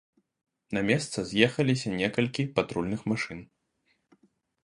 На месца з'ехаліся некалькі патрульных машын.